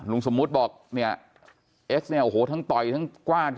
ลุงสมมุติบอกเอ็กซ์ทั้งต่อยทั้งกว้าน